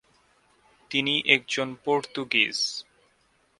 তিনি একজন পর্তুগীজ।